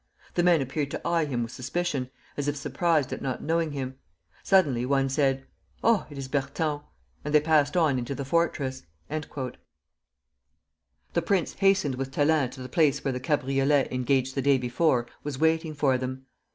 The men appeared to eye him with suspicion, as if surprised at not knowing him. Suddenly one said: 'Oh! it is Berthon;' and they passed on into the fortress." The prince hastened with Thélin to the place where the cabriolet engaged the day before was waiting for them.